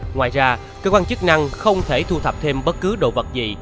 ngoài ra cơ quan chức năng không thể thu thập thêm bất cứ đồ vật gì